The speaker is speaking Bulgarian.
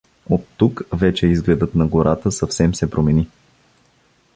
От тук вече изгледът на гората съвсем се промени.